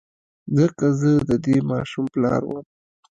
ځکه زه د دې ماشوم پلار وم.